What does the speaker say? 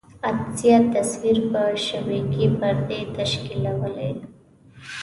عدسیه تصویر پر شبکیې پردې تشکیولوي.